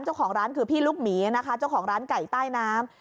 เจ้าของร้านคือพี่ลูกหมีนะคะเจ้าของร้านไก่ใต้น้ำ